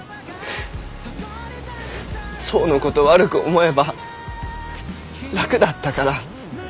想のこと悪く思えば楽だったから。